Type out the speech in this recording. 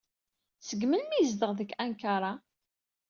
Seg melmi ay yezdeɣ deg Ankara?